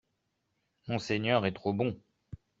Monseigneur est trop bon